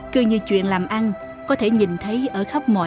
cứ như chuyện làm ăn có thể nhìn thấy ở khắp mọi